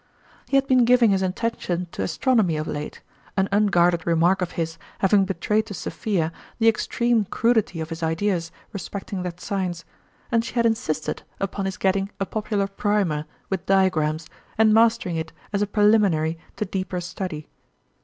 He had been giving his attention to As tronomy of late, an unguarded remark of his having betrayed to Sophia the extreme crudity 80 ft0ttrmalitt's dime Cljeqaee. of his ideas respecting that science, and she had insisted upon his getting a popular primer, with diagrams, and mastering it as a prelimi nary to deeper study.